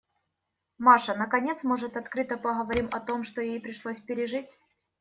Маша, наконец, может открыто говорить о том, что ей пришлось пережить.